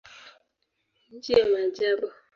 Nchi ya maajabu.